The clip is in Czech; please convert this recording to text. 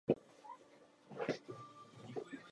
Manta je širší než delší.